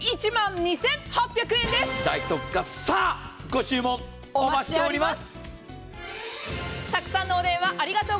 大特価、さあご注文、お待ちしております。